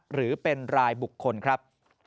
หรือเป็นรายบุคคลครับ